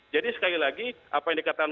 jadi sekali lagi apa yang dikatakan